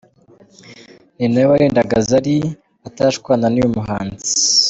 Ni na we warindaga Zari atarashwana n’uyu muhanzi.